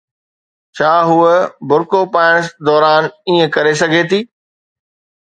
ڇا هوءَ برقع پائڻ دوران ائين ڪري سگهي ٿي؟